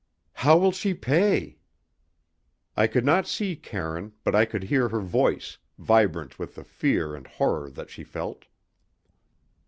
"How will she pay?" I could not see Karine, but I could hear her voice, vibrant with the fear and horror that she felt.